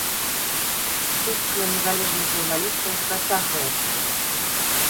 Ціск на незалежных журналістаў працягваецца.